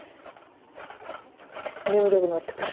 眠たくなってくる。